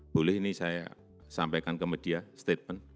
boleh ini saya sampaikan ke media statement